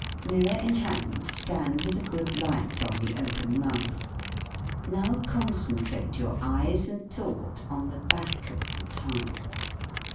Mirror in hand, stand with a good light on the open mouth. Now concentrate your eyes and thought on the back of the THE SPEAKING VOICE tongue.